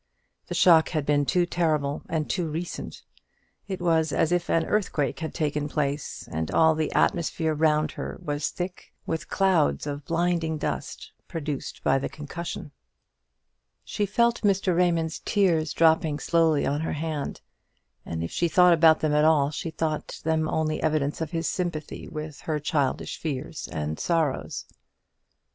The shock had been too terrible and too recent. It was as if an earthquake had taken place, and all the atmosphere round her was thick with clouds of blinding dust produced by the concussion. She felt Mr. Raymond's tears dropping slowly on her hand; and if she thought about them at all, she thought them only the evidence of his sympathy with her childish fears and sorrows.